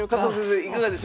いかがでした？